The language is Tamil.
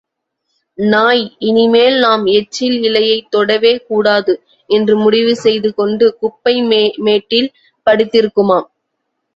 நாய், இனிமேல் நாம் எச்சில் இலையைத் தொடவே கூடாது என்று முடிவு செய்து கொண்டு குப்பை மேட்டில் படுத்திருக்குமாம்.